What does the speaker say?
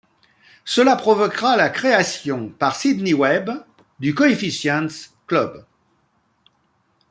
Cela provoquera la création par Sidney Webb du Coefficients club.